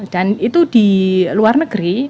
dan itu di luar negeri